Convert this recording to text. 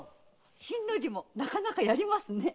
新の字もなかなかやりますね。